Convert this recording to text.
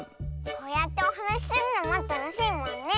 こうやっておはなしするのもたのしいもんね！